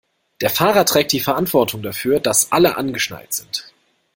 Der Fahrer trägt die Verantwortung dafür, dass alle angeschnallt sind.